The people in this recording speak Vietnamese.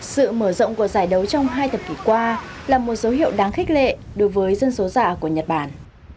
sự mở rộng của giải đấu trong hai thập kỷ qua là một dấu hiệu đáng khích lệ đối với dân số giả của nhật bản